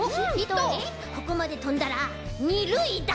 ここまでとんだら２るいだ。